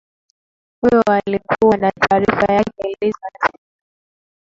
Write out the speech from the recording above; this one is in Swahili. huyo alikuwa ni taarifa yake liz masinga